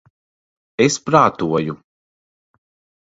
Es prātoju...